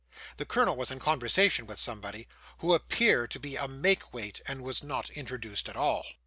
The colonel was in conversation with somebody, who appeared to be a make weight, and was not introduced at all.